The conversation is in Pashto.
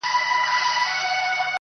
عِلم حاصلېږي مدرسو او مکتبونو کي-